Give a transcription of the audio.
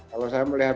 kalau saya melihat